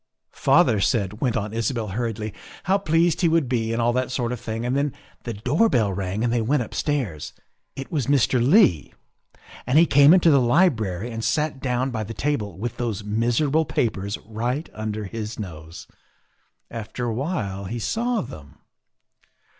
" Father said," went on Isabel hurriedly, " how pleased he would be and all that sort of thing, and then the door bell rang and they went upstairs. It was Mr. Leigh, and he came into the library and sat down by the table with those miserable papers right under his nose. After awhile he saw them.